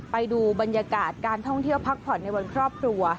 ไปดูบรรยากาศการท่องเที่ยวพักผ่อนในวันครอบครัว